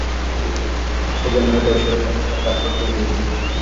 সেজন্যই তোর সাথে সাক্ষাৎ করতে চেয়েছি!